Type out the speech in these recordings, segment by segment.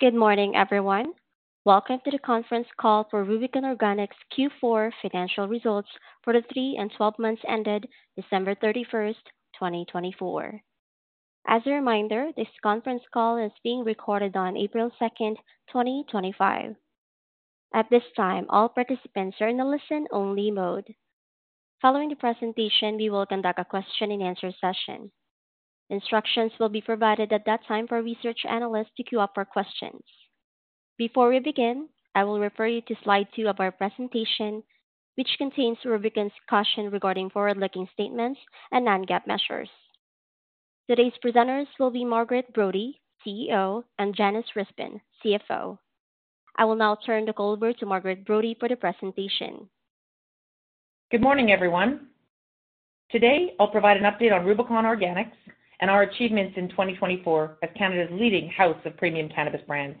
Good morning, everyone. Welcome to the conference call for Rubicon Organics Q4 financial results for the three and twelve months ended December 31, 2024. As a reminder, this conference call is being recorded on April 2, 2025. At this time, all participants are in the listen-only mode. Following the presentation, we will conduct a question-and-answer session. Instructions will be provided at that time for research analysts to queue up for questions. Before we begin, I will refer you to slide two of our presentation, which contains Rubicon's caution regarding forward-looking statements and non-GAAP measures. Today's presenters will be Margaret Brodie, CEO, and Janis Risbin, CFO. I will now turn the call over to Margaret Brodie for the presentation. Good morning, everyone. Today, I'll provide an update on Rubicon Organics and our achievements in 2024 as Canada's leading house of premium cannabis brands.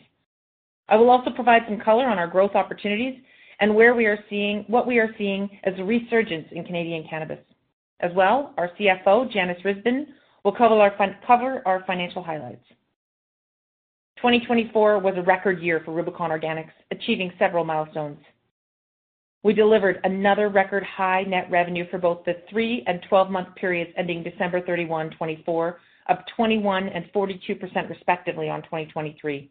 I will also provide some color on our growth opportunities and where we are seeing what we are seeing as a resurgence in Canadian cannabis. As well, our CFO, Janis Risbin, will cover our financial highlights. 2024 was a record year for Rubicon Organics, achieving several milestones. We delivered another record-high net revenue for both the three and twelve-month periods ending December 31, 2024, of 21% and 42% respectively on 2023.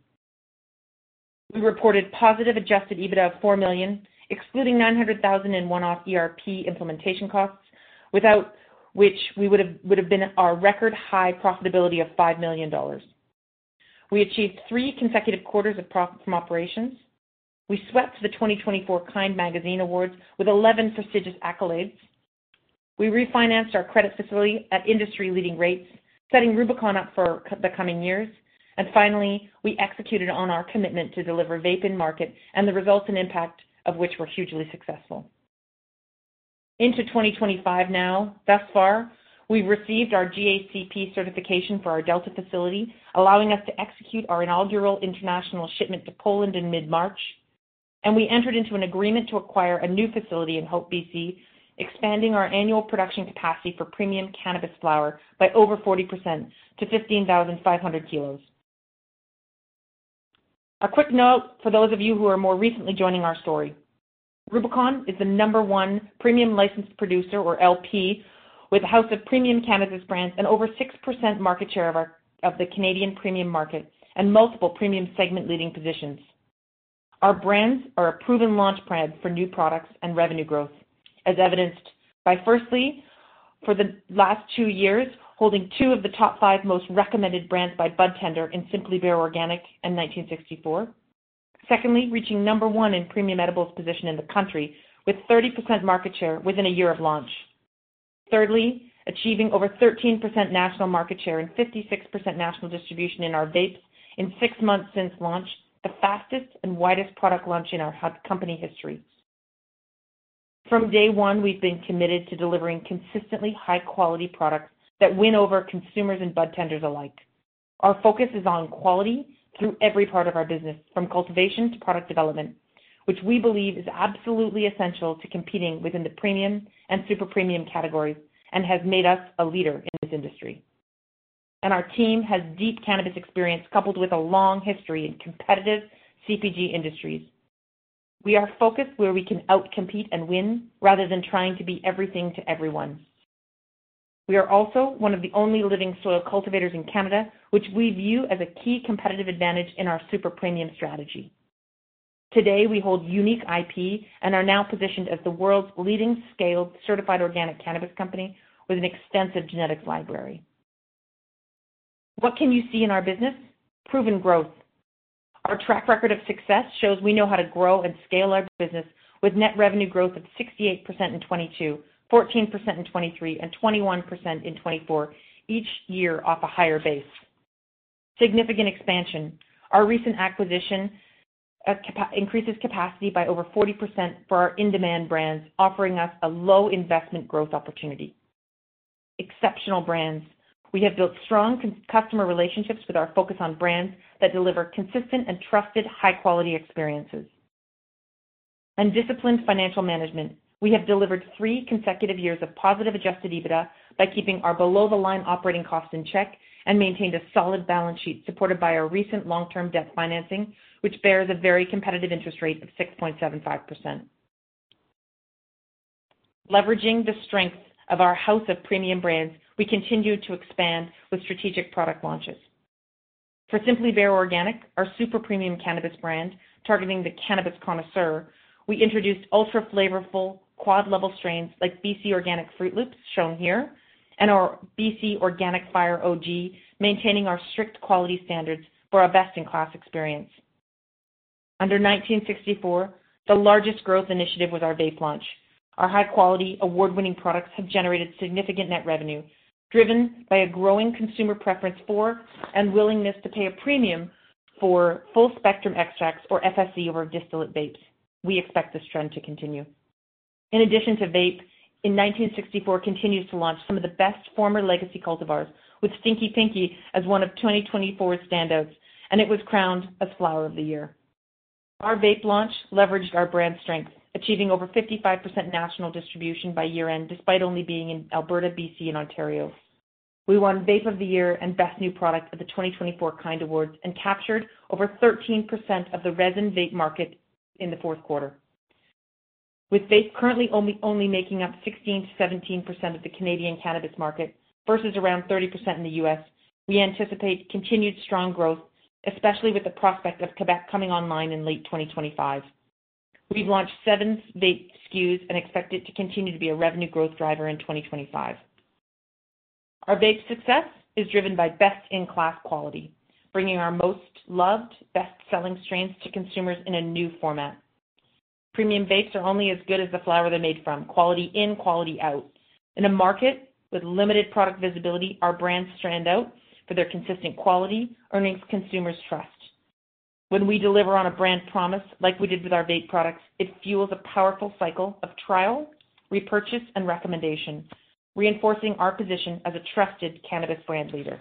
We reported positive Adjusted EBITDA of 4 million, excluding 900,000 in one-off ERP implementation costs, without which we would have been at our record-high profitability of 5 million dollars. We achieved three consecutive quarters of profit from operations. We swept the 2024 KIND Magazine Awards with 11 prestigious accolades. We refinanced our credit facility at industry-leading rates, setting Rubicon up for the coming years. Finally, we executed on our commitment to deliver vape in market, and the results and impact of which were hugely successful. Into 2025 now, thus far, we've received our GACP certification for our Delta facility, allowing us to execute our inaugural international shipment to Poland in mid-March. We entered into an agreement to acquire a new facility in Hope BC, expanding our annual production capacity for premium cannabis flower by over 40% to 15,500 kilos. A quick note for those of you who are more recently joining our story: Rubicon is the number one premium licensed producer, or LP, with a house of premium cannabis brands and over 6% market share of the Canadian premium market and multiple premium segment-leading positions. Our brands are a proven launch pad for new products and revenue growth, as evidenced by, firstly, for the last two years, holding two of the top five most recommended brands by Budtender in Simply Bare Organic and 1964. Secondly, reaching number one in premium edibles position in the country with 30% market share within a year of launch. Thirdly, achieving over 13% national market share and 56% national distribution in our vapes in six months since launch, the fastest and widest product launch in our company history. From day one, we've been committed to delivering consistently high-quality products that win over consumers and Budtenders alike. Our focus is on quality through every part of our business, from cultivation to product development, which we believe is absolutely essential to competing within the premium and super premium categories and has made us a leader in this industry. Our team has deep cannabis experience coupled with a long history in competitive CPG industries. We are focused where we can outcompete and win rather than trying to be everything to everyone. We are also one of the only living soil cultivators in Canada, which we view as a key competitive advantage in our super premium strategy. Today, we hold unique IP and are now positioned as the world's leading scaled certified organic cannabis company with an extensive genetics library. What can you see in our business? Proven growth. Our track record of success shows we know how to grow and scale our business with net revenue growth of 68% in 2022, 14% in 2023, and 21% in 2024, each year off a higher base. Significant expansion. Our recent acquisition increases capacity by over 40% for our in-demand brands, offering us a low-investment growth opportunity. Exceptional brands. We have built strong customer relationships with our focus on brands that deliver consistent and trusted high-quality experiences. Disciplined financial management. We have delivered three consecutive years of positive Adjusted EBITDA by keeping our below-the-line operating costs in check and maintained a solid balance sheet supported by our recent long-term debt financing, which bears a very competitive interest rate of 6.75%. Leveraging the strength of our house of premium brands, we continue to expand with strategic product launches. For Simply Bare Organic, our super premium cannabis brand, targeting the cannabis connoisseur, we introduced ultra-flavorful quad-level strains like BC Organic Fruit Loops, shown here, and our BC Organic Fire OG, maintaining our strict quality standards for our best-in-class experience. Under 1964, the largest growth initiative was our vape launch. Our high-quality, award-winning products have generated significant net revenue, driven by a growing consumer preference for and willingness to pay a premium for full-spectrum extracts, or FSE, over distillate vapes. We expect this trend to continue. In addition to vape, in 1964, continues to launch some of the best former legacy cultivars, with Stinky Pinky as one of 2024's standouts, and it was crowned as Flower of the Year. Our vape launch leveraged our brand strength, achieving over 55% national distribution by year-end, despite only being in Alberta, BC, and Ontario. We won Vape of the Year and Best New Product at the 2024 KIND Awards and captured over 13% of the resin vape market in the fourth quarter. With vape currently only making up 16-17% of the Canadian cannabis market, versus around 30% in the U.S., we anticipate continued strong growth, especially with the prospect of Quebec coming online in late 2025. We've launched seven vape SKUs and expect it to continue to be a revenue growth driver in 2025. Our vape success is driven by best-in-class quality, bringing our most loved, best-selling strains to consumers in a new format. Premium vapes are only as good as the flower they're made from, quality in, quality out. In a market with limited product visibility, our brands stand out for their consistent quality, earning consumers' trust. When we deliver on a brand promise, like we did with our vape products, it fuels a powerful cycle of trial, repurchase, and recommendation, reinforcing our position as a trusted cannabis brand leader.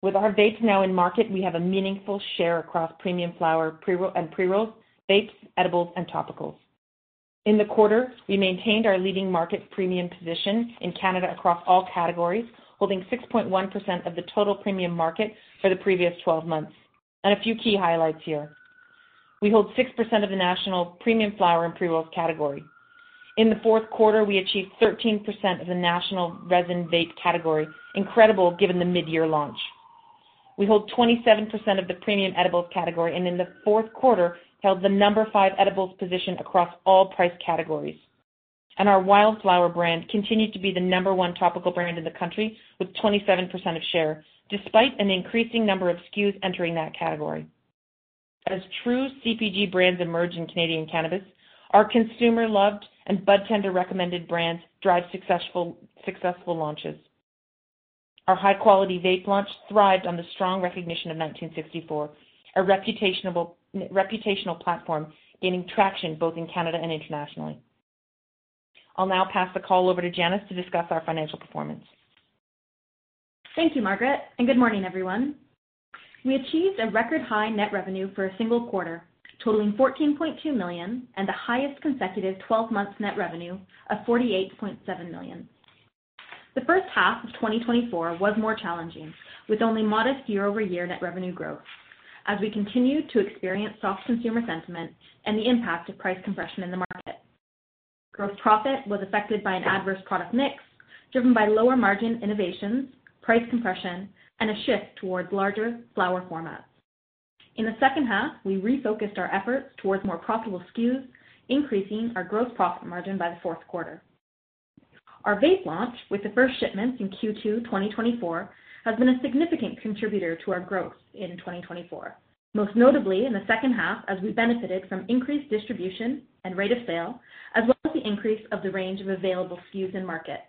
With our vapes now in market, we have a meaningful share across premium flower and pre-roll vapes, edibles, and topicals. In the quarter, we maintained our leading market premium position in Canada across all categories, holding 6.1% of the total premium market for the previous 12 months. A few key highlights here. We hold 6% of the national premium flower and pre-rolls category. In the fourth quarter, we achieved 13% of the national resin vape category, incredible given the mid-year launch. We hold 27% of the premium edibles category, and in the fourth quarter, held the number five edibles position across all price categories. Our Wildflower brand continued to be the number one topical brand in the country with 27% of share, despite an increasing number of SKUs entering that category. As true CPG brands emerge in Canadian cannabis, our consumer-loved and Budtender-recommended brands drive successful launches. Our high-quality vape launch thrived on the strong recognition of 1964, a reputational platform gaining traction both in Canada and internationally. I'll now pass the call over to Janis to discuss our financial performance. Thank you, Margaret, and good morning, everyone. We achieved a record-high net revenue for a single quarter, totaling 14.2 million and the highest consecutive 12-month net revenue of 48.7 million. The first half of 2024 was more challenging, with only modest year-over-year net revenue growth, as we continued to experience soft consumer sentiment and the impact of price compression in the market. Gross profit was affected by an adverse product mix driven by lower margin innovations, price compression, and a shift towards larger flower formats. In the second half, we refocused our efforts towards more profitable SKUs, increasing our gross profit margin by the fourth quarter. Our vape launch, with the first shipments in Q2 2024, has been a significant contributor to our growth in 2024, most notably in the second half, as we benefited from increased distribution and rate of sale, as well as the increase of the range of available SKUs in market.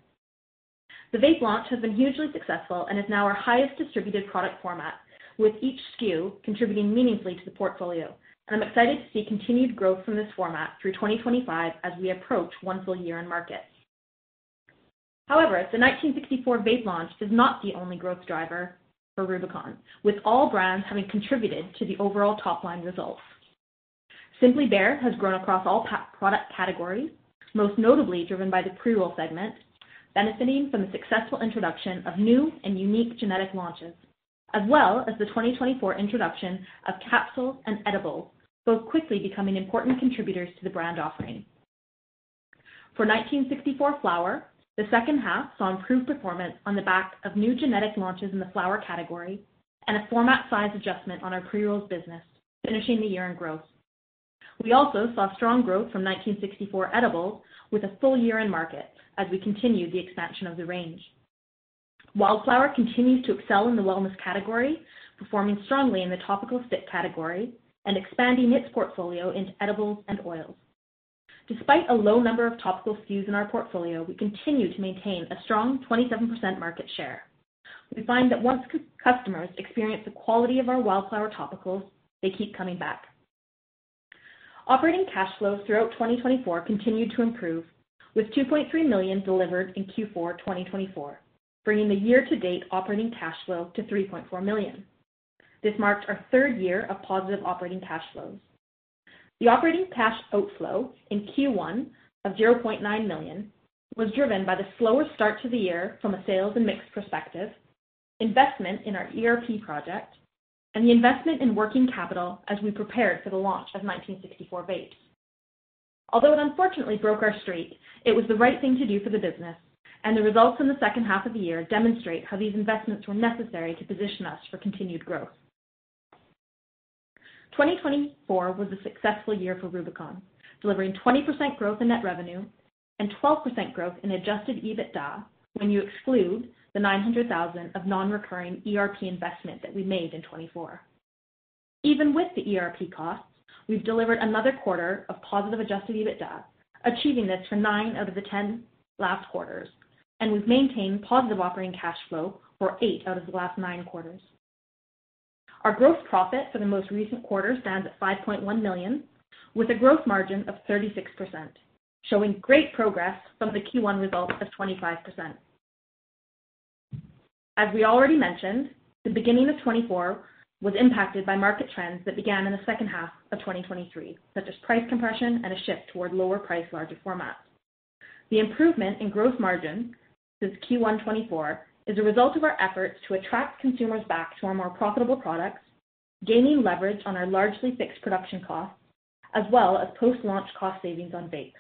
The vape launch has been hugely successful and is now our highest distributed product format, with each SKU contributing meaningfully to the portfolio. I am excited to see continued growth from this format through 2025 as we approach one full year in market. However, the 1964 vape launch is not the only growth driver for Rubicon, with all brands having contributed to the overall top-line results. Simply Bare has grown across all product categories, most notably driven by the pre-roll segment, benefiting from the successful introduction of new and unique genetic launches, as well as the 2024 introduction of capsules and edibles, both quickly becoming important contributors to the brand offering. For 1964 flower, the second half saw improved performance on the back of new genetic launches in the flower category and a format size adjustment on our pre-rolls business, finishing the year in growth. We also saw strong growth from 1964 edibles with a full year in market as we continued the expansion of the range. Wildflower continues to excel in the wellness category, performing strongly in the topical stick category and expanding its portfolio into edibles and oils. Despite a low number of topical SKUs in our portfolio, we continue to maintain a strong 27% market share. We find that once customers experience the quality of our Wildflower topicals, they keep coming back. Operating cash flows throughout 2024 continued to improve, with 2.3 million delivered in Q4 2024, bringing the year-to-date operating cash flow to 3.4 million. This marked our third year of positive operating cash flows. The operating cash outflow in Q1 of 0.9 million was driven by the slower start to the year from a sales and mix perspective, investment in our ERP project, and the investment in working capital as we prepared for the launch of 1964 vapes. Although it unfortunately broke our streak, it was the right thing to do for the business, and the results in the second half of the year demonstrate how these investments were necessary to position us for continued growth. 2024 was a successful year for Rubicon Organics, delivering 20% growth in net revenue and 12% growth in Adjusted EBITDA when you exclude the 900,000 of non-recurring ERP investment that we made in 2024. Even with the ERP costs, we've delivered another quarter of positive Adjusted EBITDA, achieving this for nine out of the last 10 quarters, and we've maintained positive operating cash flow for eight out of the last nine quarters. Our gross profit for the most recent quarter stands at 5.1 million, with a gross margin of 36%, showing great progress from the Q1 results of 25%. As we already mentioned, the beginning of 2024 was impacted by market trends that began in the second half of 2023, such as price compression and a shift toward lower-priced larger formats. The improvement in gross margins since Q1 2024 is a result of our efforts to attract consumers back to our more profitable products, gaining leverage on our largely fixed production costs, as well as post-launch cost savings on vape.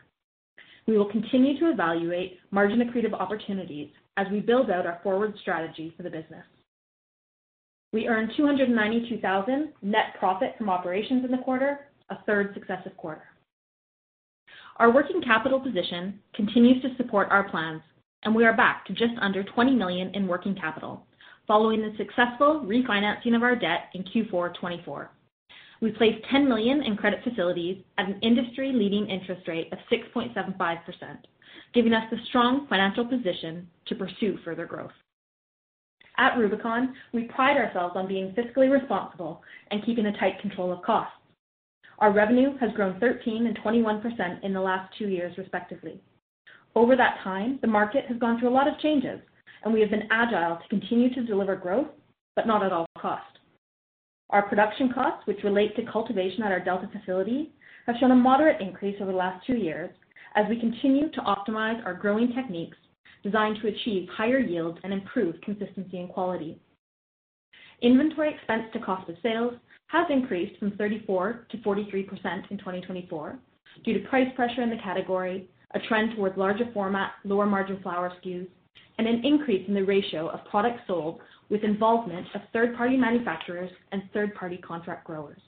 We will continue to evaluate margin accretive opportunities as we build out our forward strategy for the business. We earned 292,000 net profit from operations in the quarter, a third successive quarter. Our working capital position continues to support our plans, and we are back to just under 20 million in working capital, following the successful refinancing of our debt in Q4 2024. We placed 10 million in credit facilities at an industry-leading interest rate of 6.75%, giving us the strong financial position to pursue further growth. At Rubicon, we pride ourselves on being fiscally responsible and keeping a tight control of costs. Our revenue has grown 13% and 21% in the last two years, respectively. Over that time, the market has gone through a lot of changes, and we have been agile to continue to deliver growth, but not at all cost. Our production costs, which relate to cultivation at our Delta facility, have shown a moderate increase over the last two years as we continue to optimize our growing techniques designed to achieve higher yields and improve consistency and quality. Inventory expense to cost of sales has increased from 34% to 43% in 2024 due to price pressure in the category, a trend towards larger format, lower-margin flower SKUs, and an increase in the ratio of product sold with involvement of third-party manufacturers and third-party contract growers.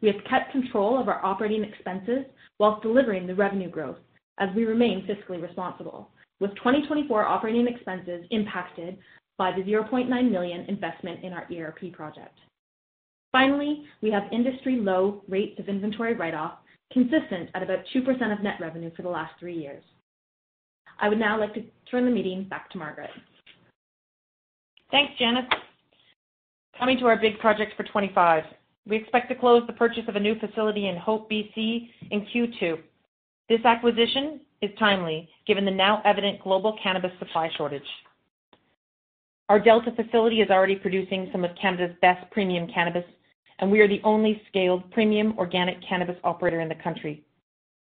We have kept control of our operating expenses while delivering the revenue growth as we remain fiscally responsible, with 2024 operating expenses impacted by the 0.9 million investment in our ERP project. Finally, we have industry-low rates of inventory write-off, consistent at about 2% of net revenue for the last three years. I would now like to turn the meeting back to Margaret. Thanks, Janis. Coming to our big project for 2025, we expect to close the purchase of a new facility in Hope, BC, in Q2. This acquisition is timely given the now-evident global cannabis supply shortage. Our Delta facility is already producing some of Canada's best premium cannabis, and we are the only scaled premium organic cannabis operator in the country.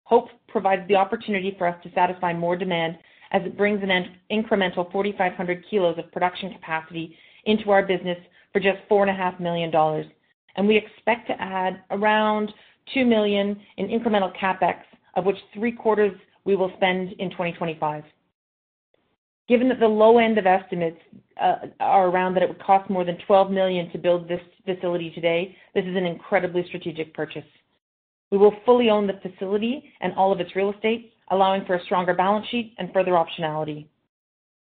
Hope provides the opportunity for us to satisfy more demand as it brings an incremental 4,500 kg of production capacity into our business for just 4.5 million dollars, and we expect to add around 2 million in incremental CapEx, of which three-quarters we will spend in 2025. Given that the low end of estimates are around that it would cost more than 12 million to build this facility today, this is an incredibly strategic purchase. We will fully own the facility and all of its real estate, allowing for a stronger balance sheet and further optionality.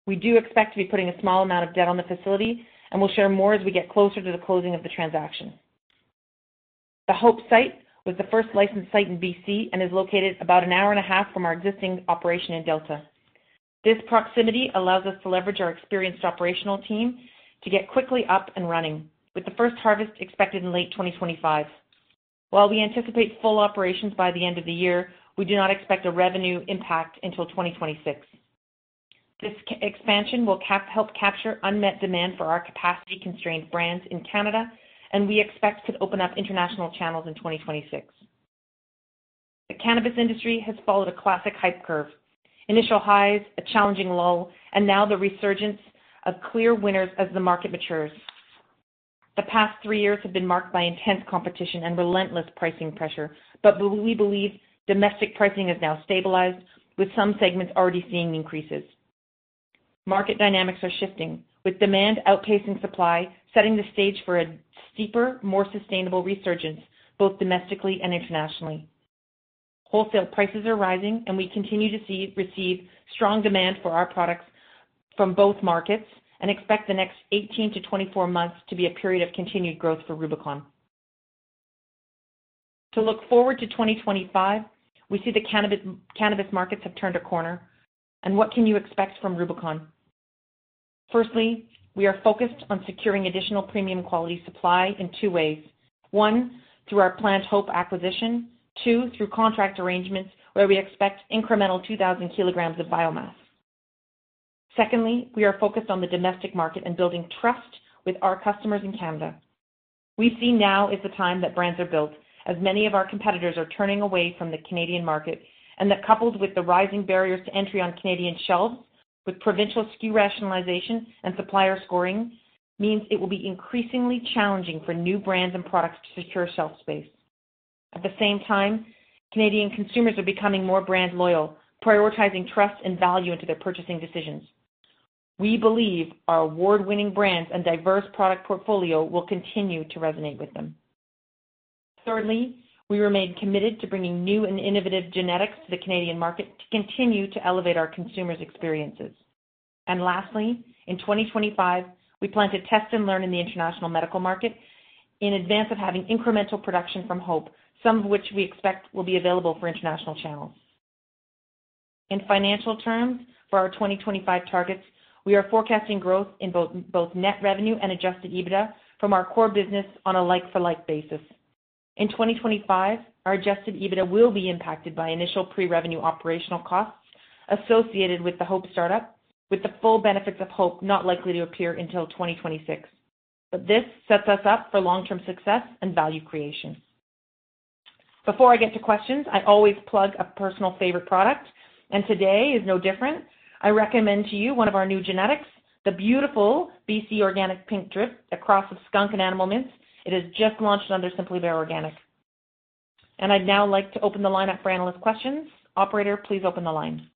We do expect to be putting a small amount of debt on the facility, and we'll share more as we get closer to the closing of the transaction. The Hope site was the first licensed site in BC and is located about an hour and a half from our existing operation in Delta. This proximity allows us to leverage our experienced operational team to get quickly up and running, with the first harvest expected in late 2025. While we anticipate full operations by the end of the year, we do not expect a revenue impact until 2026. This expansion will help capture unmet demand for our capacity-constrained brands in Canada, and we expect to open up international channels in 2026. The cannabis industry has followed a classic hype curve: initial highs, a challenging lull, and now the resurgence of clear winners as the market matures. The past three years have been marked by intense competition and relentless pricing pressure, but we believe domestic pricing has now stabilized, with some segments already seeing increases. Market dynamics are shifting, with demand outpacing supply, setting the stage for a steeper, more sustainable resurgence, both domestically and internationally. Wholesale prices are rising, and we continue to receive strong demand for our products from both markets and expect the next 18-24 months to be a period of continued growth for Rubicon. To look forward to 2025, we see the cannabis markets have turned a corner, and what can you expect from Rubicon? Firstly, we are focused on securing additional premium quality supply in two ways: one, through our planned Hope acquisition; two, through contract arrangements where we expect incremental 2,000 kilograms of biomass. Secondly, we are focused on the domestic market and building trust with our customers in Canada. We see now is the time that brands are built, as many of our competitors are turning away from the Canadian market, and that, coupled with the rising barriers to entry on Canadian shelves, with provincial SKU rationalization and supplier scoring, means it will be increasingly challenging for new brands and products to secure shelf space. At the same time, Canadian consumers are becoming more brand loyal, prioritizing trust and value into their purchasing decisions. We believe our award-winning brands and diverse product portfolio will continue to resonate with them. Thirdly, we remain committed to bringing new and innovative genetics to the Canadian market to continue to elevate our consumers' experiences. Lastly, in 2025, we plan to test and learn in the international medical market in advance of having incremental production from Hope, some of which we expect will be available for international channels. In financial terms, for our 2025 targets, we are forecasting growth in both net revenue and Adjusted EBITDA from our core business on a like-for-like basis. In 2025, our Adjusted EBITDA will be impacted by initial pre-revenue operational costs associated with the Hope startup, with the full benefits of Hope not likely to appear until 2026. This sets us up for long-term success and value creation. Before I get to questions, I always plug a personal favorite product, and today is no different. I recommend to you one of our new genetics, the beautiful BC Organic Pink Drip, a cross of Skunk and Animal Mints. It is just launched under Simply Bare Organic. I would now like to open the line up for analyst questions. Operator, please open the line.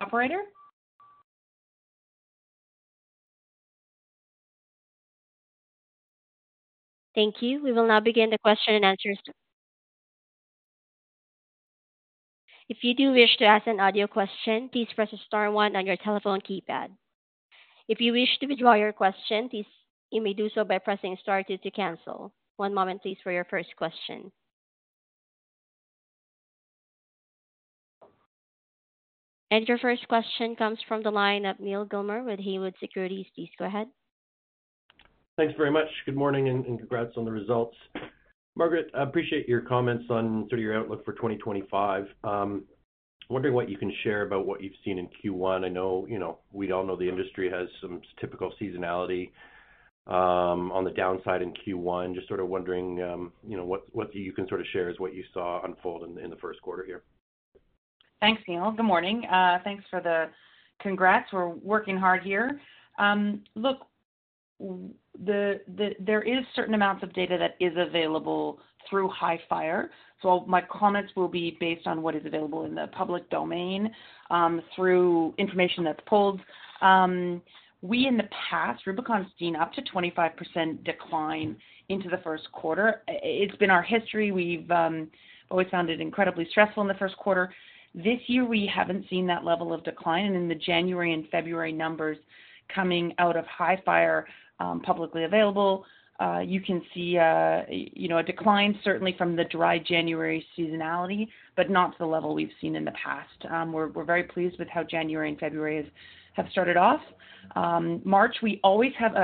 Operator? Thank you. We will now begin the question and answer session. If you do wish to ask an audio question, please press Star one on your telephone keypad. If you wish to withdraw your question, you may do so by pressing Star two to cancel. One moment, please, for your first question. Your first question comes from the line of Neal Gilmer with Haywood Securities. Please go ahead. Thanks very much. Good morning and congrats on the results. Margaret, I appreciate your comments on sort of your outlook for 2025. I'm wondering what you can share about what you've seen in Q1. I know we all know the industry has some typical seasonality on the downside in Q1. Just sort of wondering what you can sort of share as what you saw unfold in the first quarter here. Thanks, Neal Good morning. Thanks for the congrats. We're working hard here. Look, there are certain amounts of data that are available through HiFi Analytics, so my comments will be based on what is available in the public domain through information that's pulled. We, in the past, Rubicon's seen up to 25% decline into the first quarter. It's been our history. We've always found it incredibly stressful in the first quarter. This year, we haven't seen that level of decline, and in the January and February numbers coming out of HiFi Analytics publicly available, you can see a decline, certainly from the dry January seasonality, but not to the level we've seen in the past. We're very pleased with how January and February have started off. March, we always have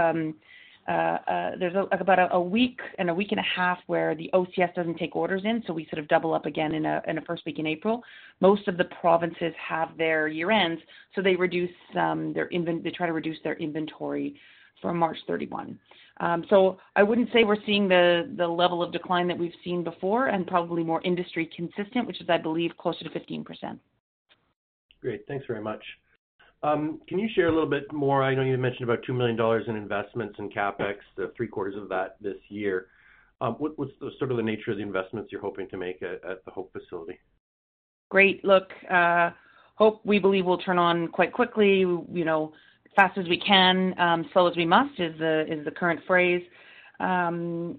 about a week and a week and a half where the OCS does not take orders in, so we sort of double up again in the first week in April. Most of the provinces have their year-ends, so they try to reduce their inventory from March 31. I would not say we are seeing the level of decline that we have seen before and probably more industry-consistent, which is, I believe, closer to 15%. Great. Thanks very much. Can you share a little bit more? I know you mentioned about 2 million dollars in investments in CapEx, the three-quarters of that this year. What's sort of the nature of the investments you're hoping to make at the Hope facility? Great. Look, Hope, we believe, will turn on quite quickly, fast as we can, slow as we must, is the current phrase. HVAC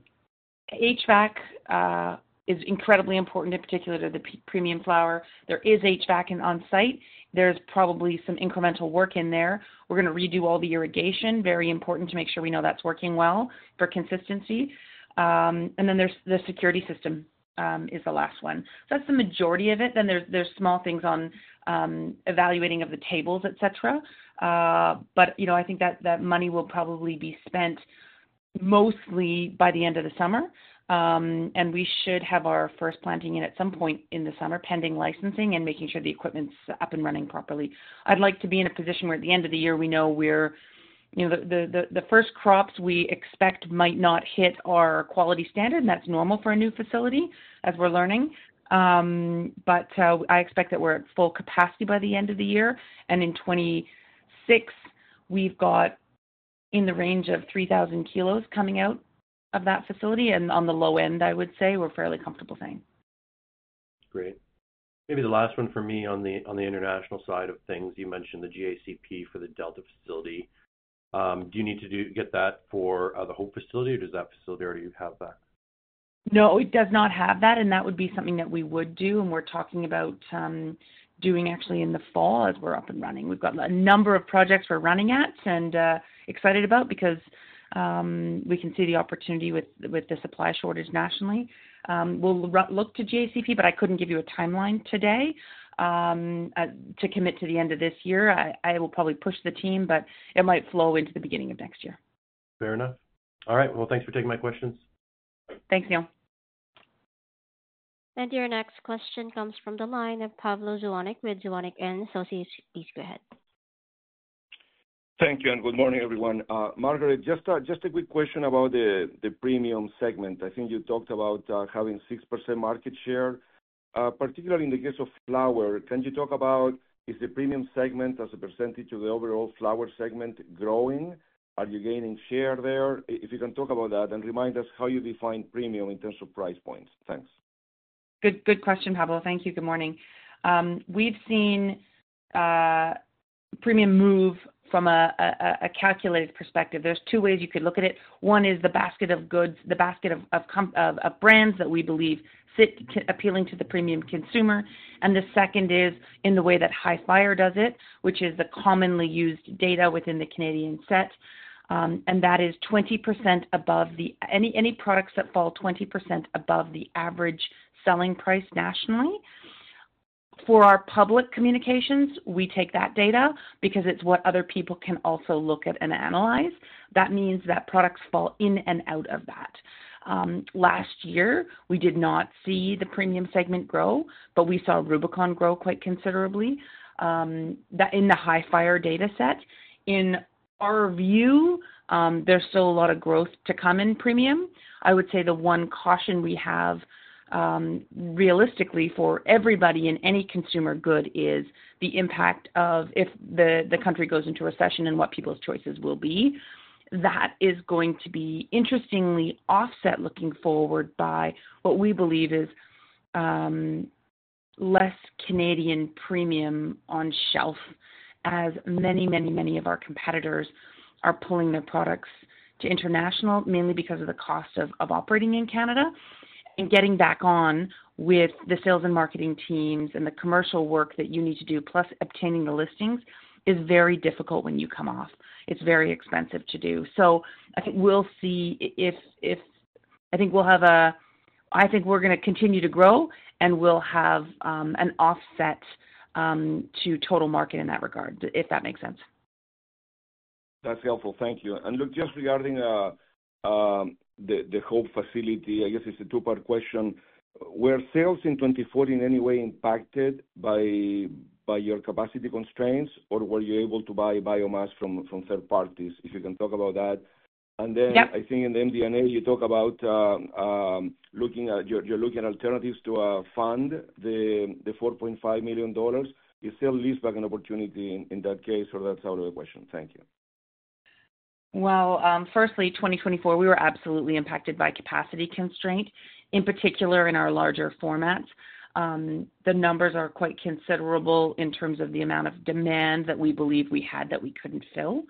is incredibly important, in particular to the premium flower. There is HVAC on-site. There is probably some incremental work in there. We are going to redo all the irrigation, very important to make sure we know that is working well for consistency. The security system is the last one. That is the majority of it. There are small things on evaluating of the tables, etc. I think that money will probably be spent mostly by the end of the summer, and we should have our first planting in at some point in the summer, pending licensing and making sure the equipment is up and running properly. I'd like to be in a position where, at the end of the year, we know the first crops we expect might not hit our quality standard, and that's normal for a new facility, as we're learning. I expect that we're at full capacity by the end of the year. In 2026, we've got in the range of 3,000 kilos coming out of that facility. On the low end, I would say we're fairly comfortable saying. Great. Maybe the last one for me on the international side of things. You mentioned the GACP for the Delta facility. Do you need to get that for the Hope facility, or does that facility already have that? No, it does not have that, and that would be something that we would do, and we're talking about doing actually in the fall as we're up and running. We've got a number of projects we're running at and excited about because we can see the opportunity with the supply shortage nationally. We'll look to GACP, but I couldn't give you a timeline today to commit to the end of this year. I will probably push the team, but it might flow into the beginning of next year. Fair enough. All right. Thanks for taking my questions. Thanks, Neal. Your next question comes from the line of Pablo Zuanic with Zuanic & Associates. Please go ahead. Thank you, and good morning, everyone. Margaret, just a quick question about the premium segment. I think you talked about having 6% market share. Particularly in the case of flower, can you talk about is the premium segment as a percentage of the overall flower segment growing? Are you gaining share there? If you can talk about that and remind us how you define premium in terms of price points. Thanks. Good question, Pablo. Thank you. Good morning. We've seen premium move from a calculated perspective. There's two ways you could look at it. One is the basket of goods, the basket of brands that we believe sit appealing to the premium consumer. The second is in the way that HiFi Analytics does it, which is the commonly used data within the Canadian set. That is 20% above any products that fall 20% above the average selling price nationally. For our public communications, we take that data because it's what other people can also look at and analyze. That means that products fall in and out of that. Last year, we did not see the premium segment grow, but we saw Rubicon grow quite considerably in the HiFi Analytics data set. In our view, there's still a lot of growth to come in premium. I would say the one caution we have realistically for everybody in any consumer good is the impact of if the country goes into recession and what people's choices will be. That is going to be interestingly offset looking forward by what we believe is less Canadian premium on shelf as many, many of our competitors are pulling their products to international, mainly because of the cost of operating in Canada. Getting back on with the sales and marketing teams and the commercial work that you need to do, plus obtaining the listings, is very difficult when you come off. It's very expensive to do. I think we'll see if I think we'll have a I think we're going to continue to grow, and we'll have an offset to total market in that regard, if that makes sense. That's helpful. Thank you. Look, just regarding the Hope facility, I guess it's a two-part question. Were sales in 2024 in any way impacted by your capacity constraints, or were you able to buy biomass from third parties? If you can talk about that. I think in the MD&A, you talk about looking at alternatives to fund the 4.5 million dollars. Is sale leaseback an opportunity in that case, or is that out of the question? Thank you. Firstly, 2024, we were absolutely impacted by capacity constraint, in particular in our larger formats. The numbers are quite considerable in terms of the amount of demand that we believe we had that we could not fill.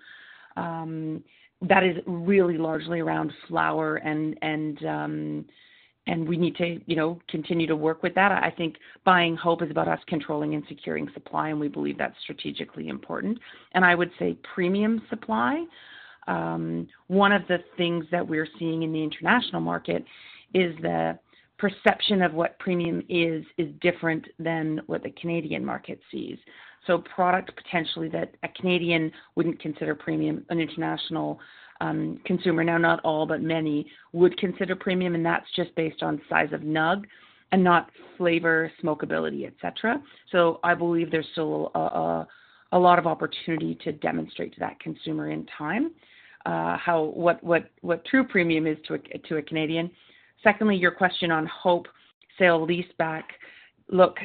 That is really largely around flower, and we need to continue to work with that. I think buying Hope is about us controlling and securing supply, and we believe that is strategically important. I would say premium supply. One of the things that we are seeing in the international market is the perception of what premium is is different than what the Canadian market sees. Product potentially that a Canadian would not consider premium, an international consumer, now not all, but many would consider premium, and that is just based on size of nug and not flavor, smokeability, etc. I believe there's still a lot of opportunity to demonstrate to that consumer in time what true premium is to a Canadian. Secondly, your question on Hope sale leaseback, look,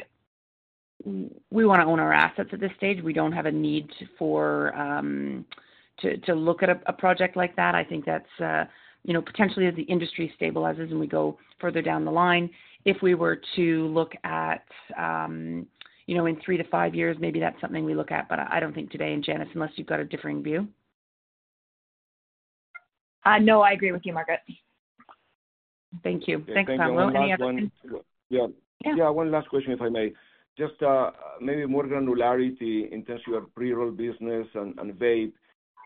we want to own our assets at this stage. We don't have a need to look at a project like that. I think that's potentially as the industry stabilizes and we go further down the line. If we were to look at in three to five years, maybe that's something we look at, but I don't think today and Janis, unless you've got a differing view. No, I agree with you, Margaret. Thank you. Thanks, Pablo. Any other questions? Yeah. Yeah, one last question, if I may. Just maybe more granularity in terms of your pre-roll business and vape.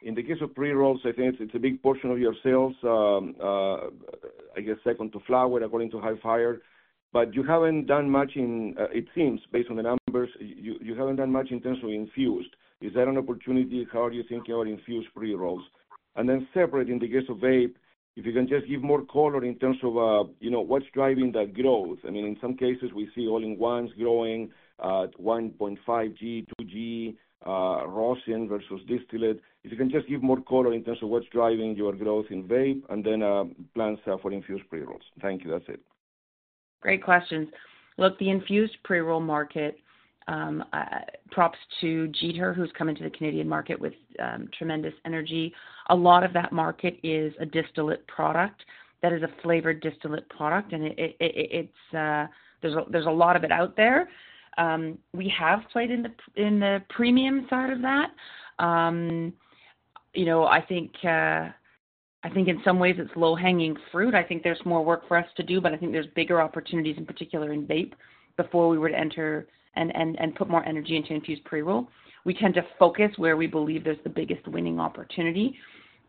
In the case of pre-rolls, I think it's a big portion of your sales, I guess, second to flower according to HiFi Analytics. But you haven't done much in, it seems, based on the numbers, you haven't done much in terms of infused. Is that an opportunity? How are you thinking about infused pre-rolls? Then separate in the case of vape, if you can just give more color in terms of what's driving that growth. I mean, in some cases, we see all-in-ones growing at 1.5 g, 2 g, rosin versus distillate. If you can just give more color in terms of what's driving your growth in vape and then plans for infused pre-rolls. Thank you. That's it. Great questions. Look, the infused pre-roll market, props to Jeeter, who's coming to the Canadian market with tremendous energy. A lot of that market is a distillate product that is a flavored distillate product, and there's a lot of it out there. We have played in the premium side of that. I think in some ways it's low-hanging fruit. I think there's more work for us to do, but I think there's bigger opportunities, in particular in vape, before we were to enter and put more energy into infused pre-roll. We tend to focus where we believe there's the biggest winning opportunity.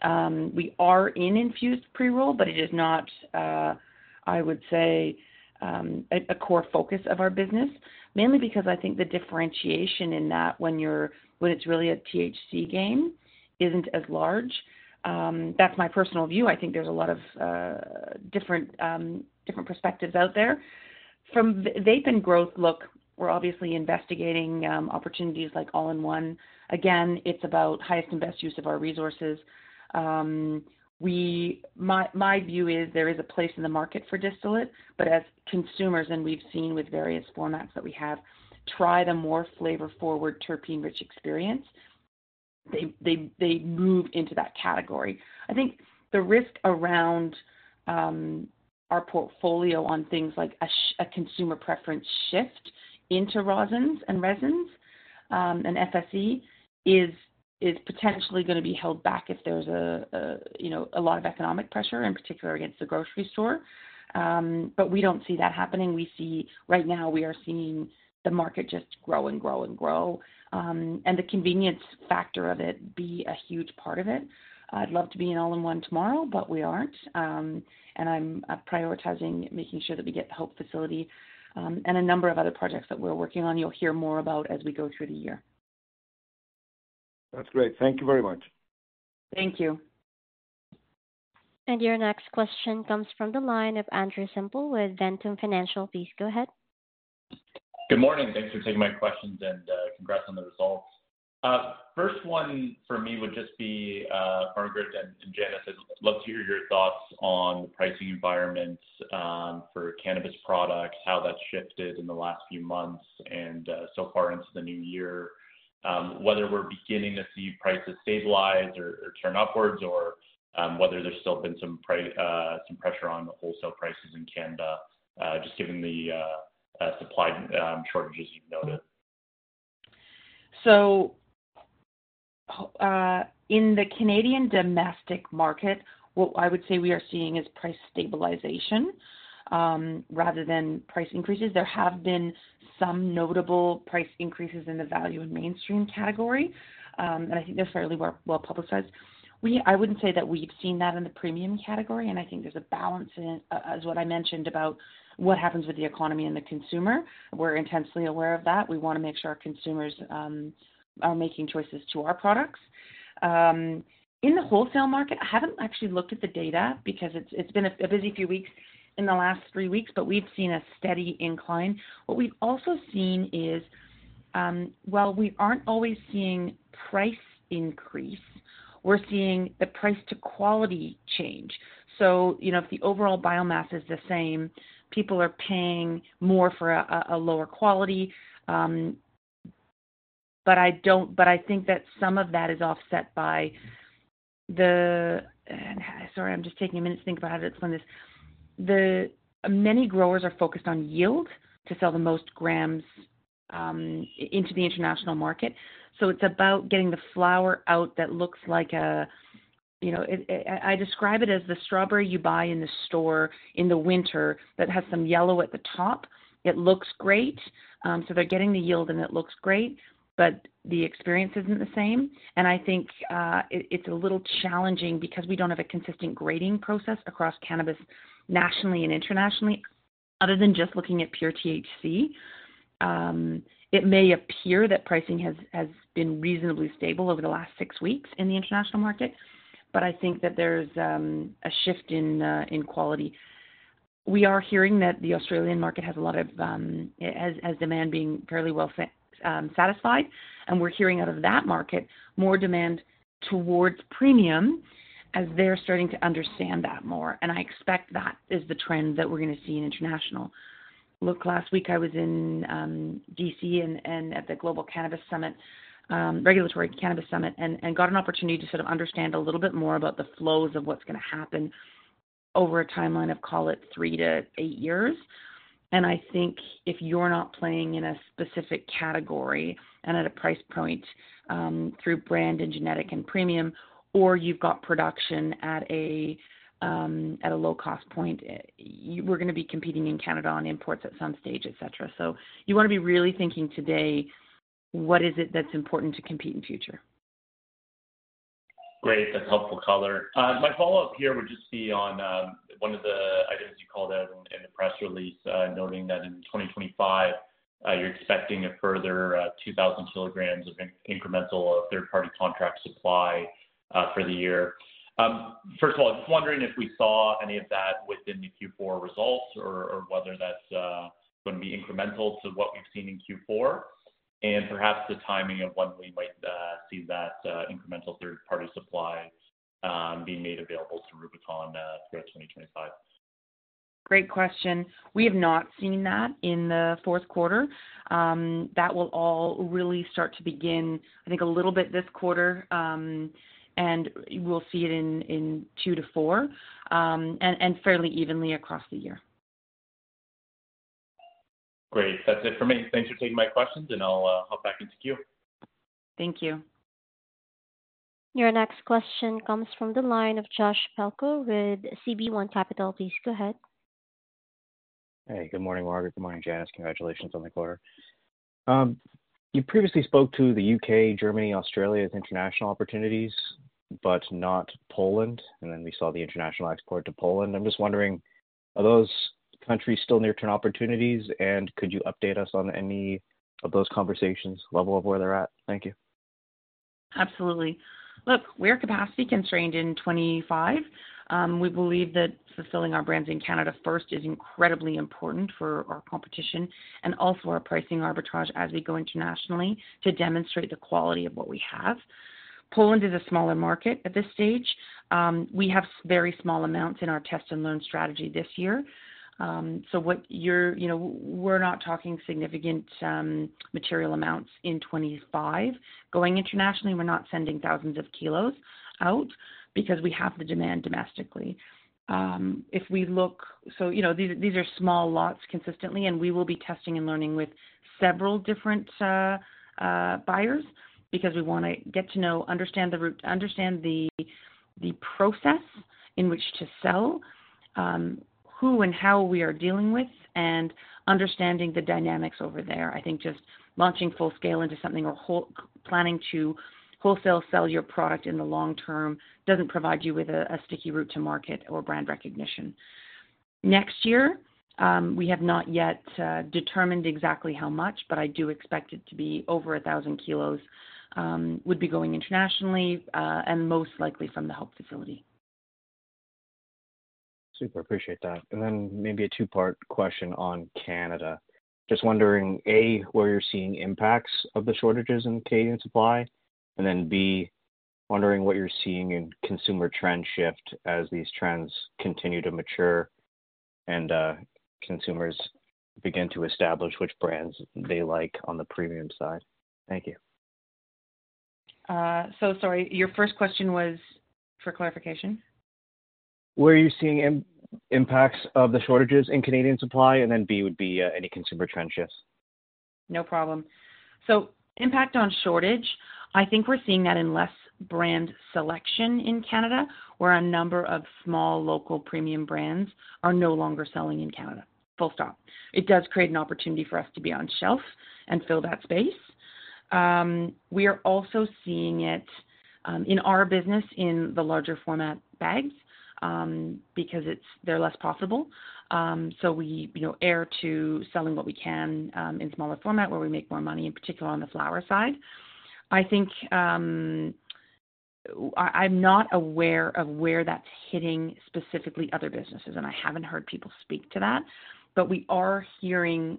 We are in infused pre-roll, but it is not, I would say, a core focus of our business, mainly because I think the differentiation in that when it's really a THC game isn't as large. That's my personal view. I think there's a lot of different perspectives out there. From vape and growth, look, we're obviously investigating opportunities like all-in-one. Again, it's about highest and best use of our resources. My view is there is a place in the market for distillate, but as consumers, and we've seen with various formats that we have, try the more flavor-forward terpene-rich experience. They move into that category. I think the risk around our portfolio on things like a consumer preference shift into rosins and resins and FSE is potentially going to be held back if there's a lot of economic pressure, in particular against the grocery store. We don't see that happening. Right now, we are seeing the market just grow and grow and grow, and the convenience factor of it be a huge part of it. I'd love to be an all-in-one tomorrow, but we aren't. I'm prioritizing making sure that we get the Hope facility and a number of other projects that we're working on. You'll hear more about as we go through the year. That's great. Thank you very much. Thank you. Your next question comes from the line of Andrew Semple with Ventum Financial. Please go ahead. Good morning. Thanks for taking my questions and congrats on the results. First one for me would just be Margaret and Janis, I'd love to hear your thoughts on the pricing environment for cannabis products, how that's shifted in the last few months and so far into the new year, whether we're beginning to see prices stabilize or turn upwards, or whether there's still been some pressure on wholesale prices in Canada, just given the supply shortages you've noted. In the Canadian domestic market, what I would say we are seeing is price stabilization rather than price increases. There have been some notable price increases in the value and mainstream category, and I think they're fairly well publicized. I wouldn't say that we've seen that in the premium category, and I think there's a balance in it, as what I mentioned about what happens with the economy and the consumer. We're intensely aware of that. We want to make sure our consumers are making choices to our products. In the wholesale market, I haven't actually looked at the data because it's been a busy few weeks in the last three weeks, but we've seen a steady incline. What we've also seen is, while we aren't always seeing price increase, we're seeing the price-to-quality change. If the overall biomass is the same, people are paying more for a lower quality. I think that some of that is offset by the—sorry, I'm just taking a minute to think about how to explain this. Many growers are focused on yield to sell the most grams into the international market. It is about getting the flower out that looks like a—I describe it as the strawberry you buy in the store in the winter that has some yellow at the top. It looks great. They are getting the yield, and it looks great, but the experience is not the same. I think it is a little challenging because we do not have a consistent grading process across cannabis nationally and internationally, other than just looking at pure THC. It may appear that pricing has been reasonably stable over the last six weeks in the international market, but I think that there's a shift in quality. We are hearing that the Australian market has a lot of demand being fairly well satisfied, and we're hearing out of that market more demand towards premium as they're starting to understand that more. I expect that is the trend that we're going to see in international. Last week I was in Washington DC and at the Global Cannabis Summit, Regulatory Cannabis Summit, and got an opportunity to sort of understand a little bit more about the flows of what's going to happen over a timeline of, call it, three to eight years. If you're not playing in a specific category and at a price point through brand and genetic and premium, or you've got production at a low-cost point, we're going to be competing in Canada on imports at some stage, etc. You want to be really thinking today, what is it that's important to compete in future? Great. That's helpful, Calder. My follow-up here would just be on one of the items you called out in the press release, noting that in 2025, you're expecting a further 2,000 kilograms of incremental third-party contract supply for the year. First of all, I'm just wondering if we saw any of that within the Q4 results or whether that's going to be incremental to what we've seen in Q4, and perhaps the timing of when we might see that incremental third-party supply being made available to Rubicon throughout 2025. Great question. We have not seen that in the fourth quarter. That will all really start to begin, I think, a little bit this quarter, and we'll see it in Q2-Q4 and fairly evenly across the year. Great. That's it for me. Thanks for taking my questions, and I'll hop back into queue. Thank you. Your next question comes from the line of Josh Felker with CB1 Capital. Please go ahead. Hey, good morning, Margaret. Good morning, Janis. Congratulations on the quarter. You previously spoke to the U.K., Germany, Australia's international opportunities, but not Poland. We saw the international export to Poland. I'm just wondering, are those countries still near-term opportunities, and could you update us on any of those conversations, level of where they're at? Thank you. Absolutely. Look, we are capacity constrained in 2025. We believe that fulfilling our brands in Canada first is incredibly important for our competition and also our pricing arbitrage as we go internationally to demonstrate the quality of what we have. Poland is a smaller market at this stage. We have very small amounts in our test and learn strategy this year. We are not talking significant material amounts in 2025. Going internationally, we are not sending thousands of kilos out because we have the demand domestically. If we look, these are small lots consistently, and we will be testing and learning with several different buyers because we want to get to know, understand the process in which to sell, who and how we are dealing with, and understanding the dynamics over there. I think just launching full scale into something or planning to wholesale sell your product in the long term does not provide you with a sticky route to market or brand recognition. Next year, we have not yet determined exactly how much, but I do expect it to be over 1,000 kg, would be going internationally and most likely from the Hope facility. Super. Appreciate that. Maybe a two-part question on Canada. Just wondering, A, where you're seeing impacts of the shortages in cadence supply, and then B, wondering what you're seeing in consumer trend shift as these trends continue to mature and consumers begin to establish which brands they like on the premium side. Thank you. Sorry, your first question was for clarification. Where are you seeing impacts of the shortages in Canadian supply? B would be any consumer trend shifts. No problem. Impact on shortage, I think we're seeing that in less brand selection in Canada where a number of small local premium brands are no longer selling in Canada. Full stop. It does create an opportunity for us to be on shelf and fill that space. We are also seeing it in our business in the larger format bags because they're less profitable. We err to selling what we can in smaller format where we make more money, in particular on the flower side. I'm not aware of where that's hitting specifically other businesses, and I haven't heard people speak to that. We are hearing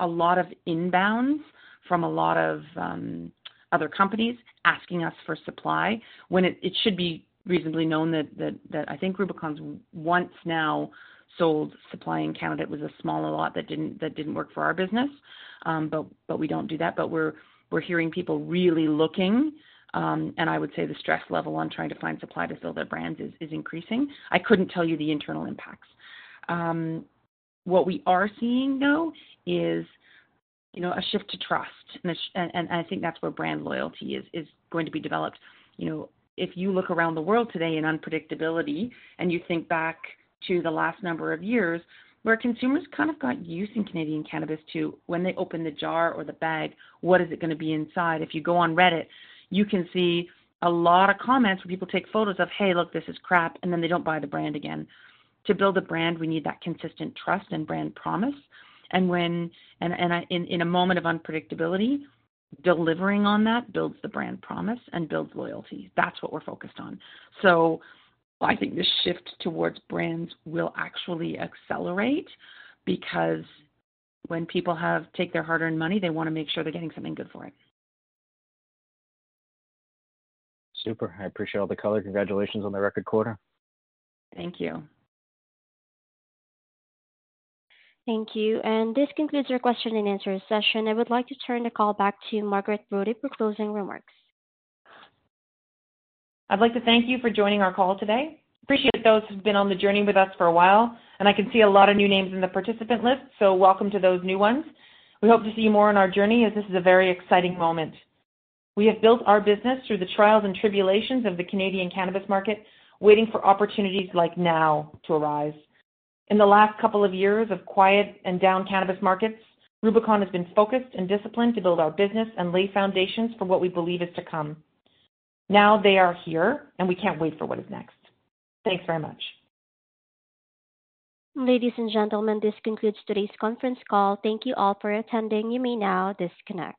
a lot of inbounds from a lot of other companies asking us for supply when it should be reasonably known that I think Rubicon's once now sold supply in Canada. It was a smaller lot that did not work for our business, but we do not do that. We are hearing people really looking, and I would say the stress level on trying to find supply to sell their brands is increasing. I could not tell you the internal impacts. What we are seeing, though, is a shift to trust, and I think that is where brand loyalty is going to be developed. If you look around the world today in unpredictability and you think back to the last number of years where consumers kind of got used to Canadian cannabis to when they open the jar or the bag, what is it going to be inside? If you go on Reddit, you can see a lot of comments where people take photos of, "Hey, look, this is crap," and then they do not buy the brand again. To build a brand, we need that consistent trust and brand promise. In a moment of unpredictability, delivering on that builds the brand promise and builds loyalty. That is what we are focused on. I think this shift towards brands will actually accelerate because when people take their hard-earned money, they want to make sure they are getting something good for it. Super. I appreciate all the color. Congratulations on the record quarter. Thank you. Thank you. This concludes our question and answer session. I would like to turn the call back to Margaret Brodie for closing remarks. I'd like to thank you for joining our call today. Appreciate those who've been on the journey with us for a while, and I can see a lot of new names in the participant list, so welcome to those new ones. We hope to see you more on our journey as this is a very exciting moment. We have built our business through the trials and tribulations of the Canadian cannabis market, waiting for opportunities like now to arise. In the last couple of years of quiet and down cannabis markets, Rubicon has been focused and disciplined to build our business and lay foundations for what we believe is to come. Now they are here, and we can't wait for what is next. Thanks very much. Ladies and gentlemen, this concludes today's conference call. Thank you all for attending. You may now disconnect.